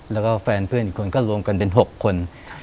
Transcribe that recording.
แล้วก็แฟนเพื่อนอีกคนก็รวมกันเป็น๖คน